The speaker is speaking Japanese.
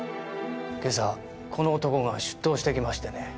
今朝この男が出頭してきましてね。